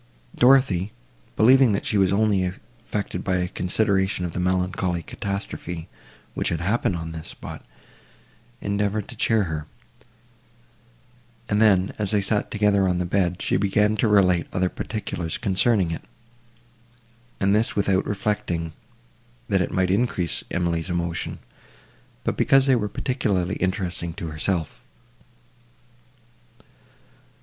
Dorothée, believing that she was only affected by a consideration of the melancholy catastrophe, which had happened on this spot, endeavoured to cheer her; and then, as they sat together on the bed, she began to relate other particulars concerning it, and this without reflecting, that it might increase Emily's emotion, but because they were particularly interesting to herself.